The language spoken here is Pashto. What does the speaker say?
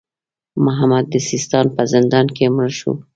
محمد د سیستان په زندان کې مړ شو.